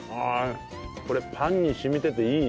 これパンに染みてていいね。